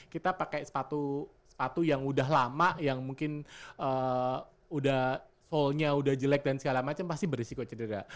kita pakai sepatu sepatu yang udah lama yang mungkin udah fullnya udah jelek dan segala macam pasti berisiko cedera